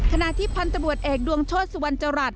ขณะที่พันธุรกิจเอกดวงโชศวัญจราช